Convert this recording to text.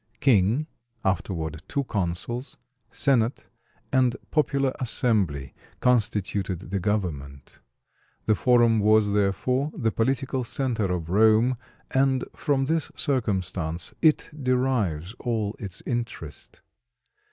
King (afterward two consuls), senate, and popular assembly constituted the government. The Forum was therefore the political center of Rome, and from this circumstance it derives all its interest.